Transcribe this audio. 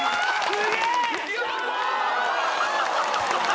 すげえ！